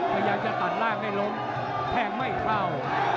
พยายามจะตัดล่างให้ล้มแทงไม่เข้า